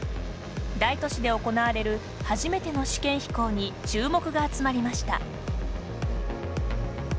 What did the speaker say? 大都市で行われる、初めての試験飛行に注目が集まりました。